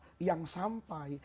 kita yang sampai